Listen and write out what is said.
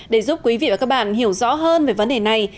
để giúp quý vị và các bạn hiểu rõ hơn về vấn đề này